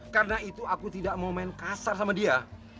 karena itu aku tidak mau main kasar sama dia